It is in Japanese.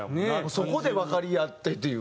そこで分かり合ってっていう。